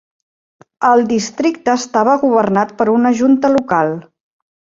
El districte estava governat per una junta local.